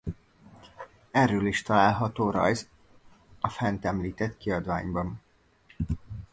Erről is található rajz a fent említett kiadványban.